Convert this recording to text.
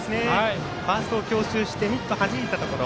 ファーストを強襲してミットをはじいたところ。